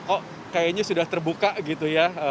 kok kayaknya sudah terbuka gitu ya